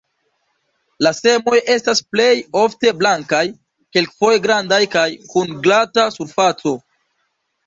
La semoj estas plej ofte blankaj, kelkfoje grandaj kaj kun glata surfaco.